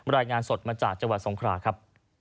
รายงานสดมาจากจังหวัดสงคราครับ